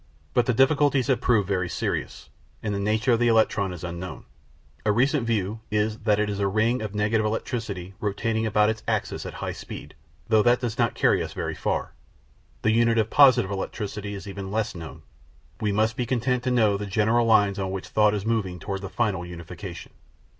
But the difficulties have proved very serious, and the nature of the electron is unknown. A recent view is that it is "a ring of negative electricity rotating about its axis at a high speed," though that does not carry us very far. The unit of positive electricity is even less known. We must be content to know the general lines on which thought is moving toward the final unification.